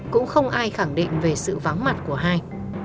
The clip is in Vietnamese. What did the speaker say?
cũng không ai khẳng định về sự vắng mặt của hai